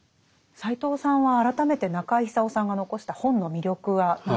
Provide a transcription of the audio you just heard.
斎藤さんは改めて中井久夫さんが残した本の魅力は何だとお考えですか？